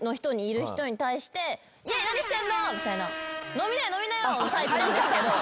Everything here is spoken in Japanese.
「飲みなよ飲みなよ！」のタイプなんですけど。